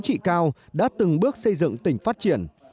đảng bộ tỉnh tuyên quang đã từng bước xây dựng tỉnh phát triển